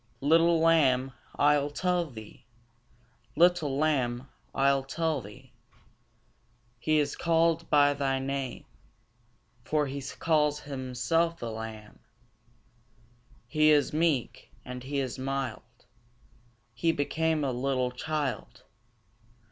Little lamb, I'll tell thee; Little lamb, I'll tell thee: He is callèd by thy name, For He calls Himself a Lamb. He is meek, and He is mild, He became a little child.